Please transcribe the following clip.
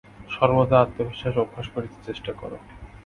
সর্বদা আত্মবিশ্বাস অভ্যাস করিতে চেষ্টা কর।